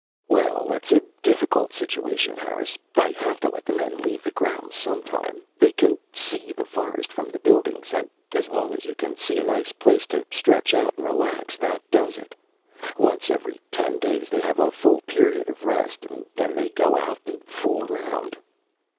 "Well, it's a difficult situation, Harris. I have to let the men leave the grounds sometimes. They can see the forest from the buildings, and as long as you can see a nice place to stretch out and relax that does it. Once every ten days they have a full period of rest. Then they go out and fool around."